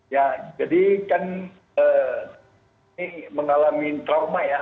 ya jadi kan ini mengalami trauma ya